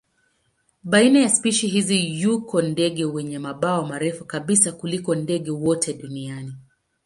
Baina ya spishi hizi yuko ndege wenye mabawa marefu kabisa kuliko ndege wote duniani.